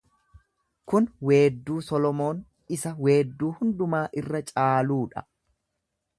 Kun weedduu Solomoon isa weedduu hundumaa irra caaluu dha.